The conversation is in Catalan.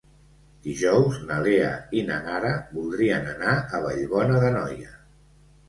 Dijous na Lea i na Nara voldrien anar a Vallbona d'Anoia.